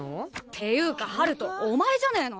ていうか陽翔お前じゃねえの？